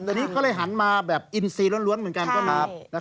ตอนนี้ก็เลยหันมาแบบอินซีล้วนเหมือนกันก็นับ